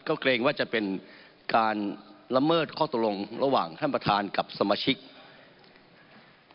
ก็เกรงว่าจะเป็นการละเมิดข้อตกลงระหว่างท่านประธานกับสมาชิก